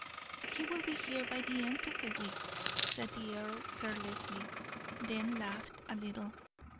"He will be here by the end of the week," said the earl, carelessly; then he laughed a little.